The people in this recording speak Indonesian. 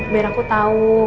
biar aku tau